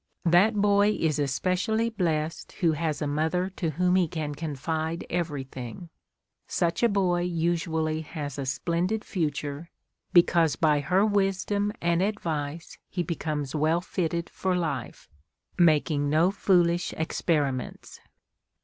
That boy is especially blest who has a mother to whom he can confide everything; such a boy usually has a splendid future, because by her wisdom and advice he becomes well fitted for life, making no foolish experiments.